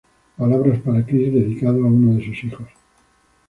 Palabras para Cris", dedicado a uno de sus hijos.